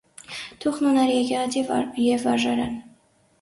Թուխն ուներ եկեղեցի և վարժարան։